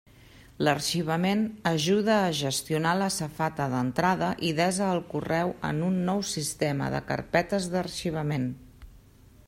L'arxivament ajuda a gestionar la safata d'entrada i desa el correu en un nou sistema de carpetes d'arxivament.